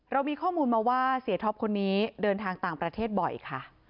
เรามีข้อมูลมาว่าเสียท็อปคนนี้เดินทางต่างประเทศบ่อยค่ะ